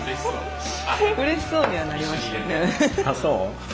あっそう？